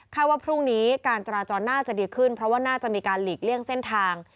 ว่าพรุ่งนี้การจราจรน่าจะดีขึ้นเพราะว่าน่าจะมีการหลีกเลี่ยงเส้นทาง